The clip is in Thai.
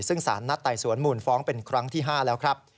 ซึ่งสารนัดไต่สวนมูลฟ้องเป็นครั้งที่๕แล้วครับ